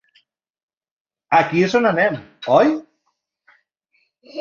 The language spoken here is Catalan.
Aquí és on anem, oi?